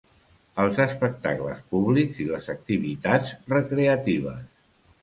Els espectacles públics i les activitats recreatives.